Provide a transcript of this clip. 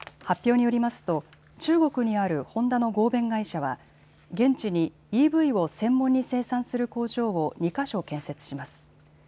発表によりますと中国にあるホンダの合弁会社は現地にＥＶを専門に生産する工場を２か所建設します。